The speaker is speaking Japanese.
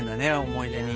思い出に。